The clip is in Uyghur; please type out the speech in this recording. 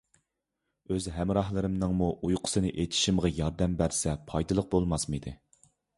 ئۆز ھەمراھلىرىمنىڭمۇ ئۇيقۇسىنى ئېچىشىمغا ياردەم بەرسە پايدىلىق بولماسمىدى؟